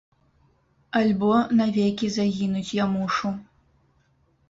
Альбо навекі загінуць я мушу!